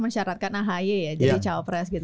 mensyaratkan ahy ya jadi cowok pres gitu